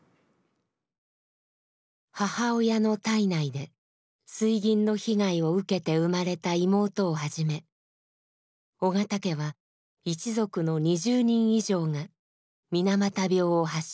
母親の胎内で水銀の被害を受けて生まれた妹をはじめ緒方家は一族の２０人以上が水俣病を発症しました。